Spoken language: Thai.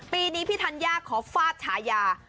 ปีนี้พี่ธัญญาขอฟาดฉายา